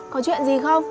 có chuyện gì không